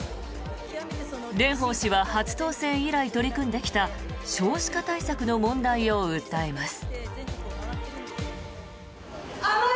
蓮舫氏は初当選以来、取り組んできた少子化対策の問題を訴えます。